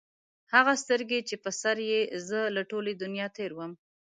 هغه سترګي چې په سر یې زه له ټولي دنیا تېر وم